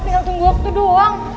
tinggal tunggu waktu doang